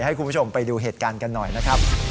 ให้คุณผู้ชมไปดูเหตุการณ์กันหน่อยนะครับ